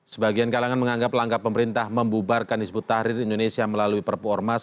sebagian kalangan menganggap langkah pemerintah membubarkan disebut tahrir indonesia melalui perpuormas